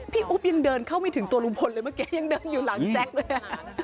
อุ๊บยังเดินเข้าไม่ถึงตัวลุงพลเลยเมื่อกี้ยังเดินอยู่หลังแจ๊คเลย